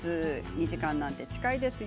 ２時間なんて近いですよ。